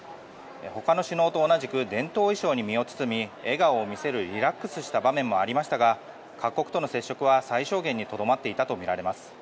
他の首脳と同じく伝統衣装に身を包み笑顔を見せるリラックスした場面もありましたが各国との接触は最小限にとどまっていたとみられます。